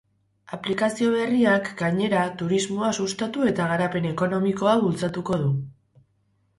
Aplikazio berriak, gainera, turismoa sustatu eta garapen ekonomikoa bultzatuko du.